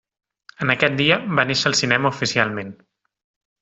En aquest dia va néixer el cinema oficialment.